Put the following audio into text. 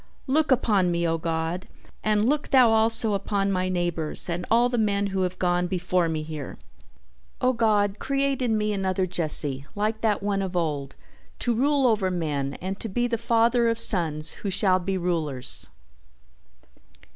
"Look upon me, O God, and look Thou also upon my neighbors and all the men who have gone before me here! O God, create in me another Jesse, like that one of old, to rule over men and to be the father of sons who shall be rulers!"